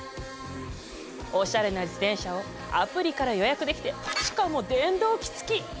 おしゃれな自転車をアプリから予約できてしかも電動機付き！